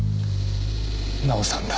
奈緒さんだ。